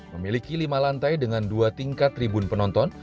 memiliki lima lantai dengan dua tingkat tribun penonton